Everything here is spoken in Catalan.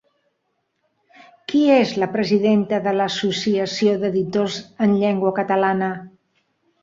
Qui és la presidenta de l'Associació d'Editors en Llengua Catalana?